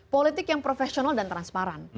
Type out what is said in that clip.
politik yang profesional dan transparan